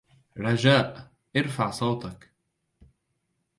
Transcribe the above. رجاء، ارفع صوتك.